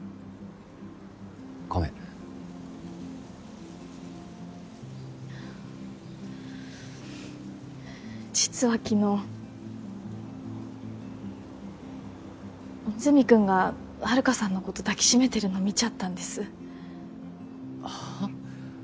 ごめん実は昨日和泉君が遥さんのこと抱きしめてるの見ちゃったんですはっ？